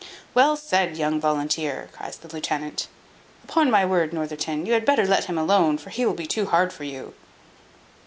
"Well said, young volunteer," cries the lieutenant. "Upon my word, Northerton, you had better let him alone; for he will be too hard for you."